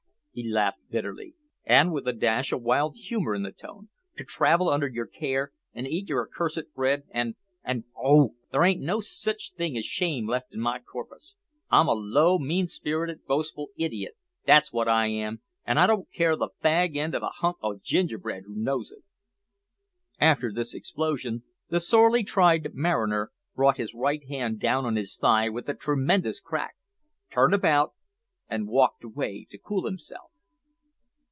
(he laughed bitterly, and with a dash of wild humour in the tone), "to travel under yer care, an' eat yer accursed bread, and and oh! there ain't no sitch thing as shame left in my corpus. I'm a low mean spirited boastful idiot, that's wot I am, an' I don't care the fag end of a hunk o' gingerbread who knows it." After this explosion the sorely tried mariner brought his right hand down on his thigh with a tremendous crack, turned about and walked away to cool himself.